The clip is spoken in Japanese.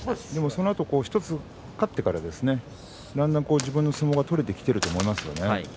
そのあと１つ勝ってからだんだん自分の相撲が取れてきていると思います。